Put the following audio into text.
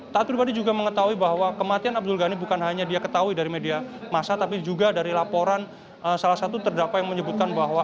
taat pribadi juga mengetahui bahwa kematian abdul ghani bukan hanya dia ketahui dari media masa tapi juga dari laporan salah satu terdakwa yang menyebutkan bahwa